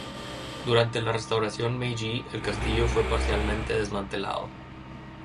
Durante la Restauración Meiji el castillo fue parcialmente desmantelado.